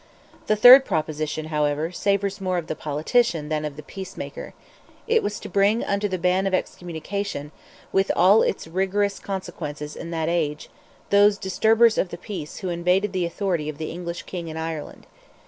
The third proposition, however, savours more of the politician than of the peacemaker; it was to bring under the bann of excommunication, with all its rigorous consequences in that age, those "disturbers of the peace" who invaded the authority of the English King in Ireland.